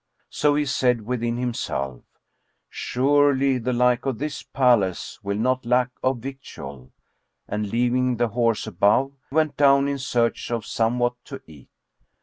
So he said within himself, "Surely the like of this palace will not lack of victual;" and, leaving the horse above, went down in search of somewhat to eat.